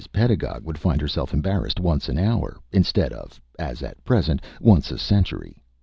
Pedagog would find herself embarrassed once an hour, instead of, as at present, once a century.